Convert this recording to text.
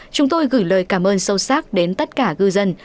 chúng tôi gửi lời cảm ơn sâu sắc đến tất cả ngư dân